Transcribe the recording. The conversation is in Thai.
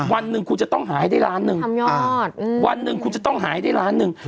วันหนึ่งคุณจะต้องหาให้ได้ล้านหนึ่งทำยอดวันหนึ่งคุณจะต้องหาให้ได้ล้านหนึ่ง